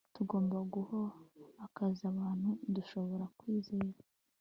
Tugomba guha akazi abantu dushobora kwizera